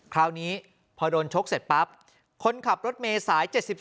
คราวนี้พอโดนชกเสร็จปั๊บคนขับรถเมย์สาย๗๒